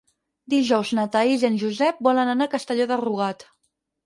Dijous na Thaís i en Josep volen anar a Castelló de Rugat.